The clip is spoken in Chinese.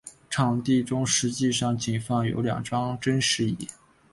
场地中实际上仅放有两张真实椅。